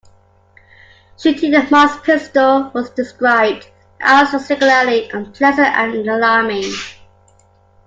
Shooting the Mars pistol was described as "singularly unpleasant and alarming".